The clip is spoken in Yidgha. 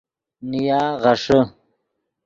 نیا غیݰے